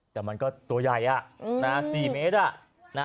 แต่มันก็ตัวใหญ่๔เมตร